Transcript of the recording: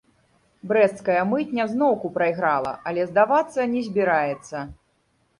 Брэсцкая мытня зноўку прайграла, але здавацца не збіраецца.